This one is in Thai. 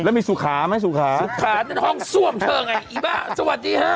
แล้วมีสุขาไหมสุขาสุขานั่นห้องซ่วมเธอไงอีบ้าสวัสดีฮะ